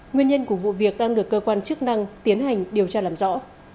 nguyên nhân của vụ việc đang được cơ quan chức năng tiến hành điều tra làm rõ